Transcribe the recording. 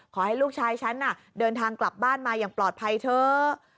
ขอให้ลูกชายฉันน่ะเดินทางกลับบ้านมาอย่างปลอดภัยเถอะ